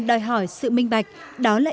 đòi hỏi sự minh bạch đó là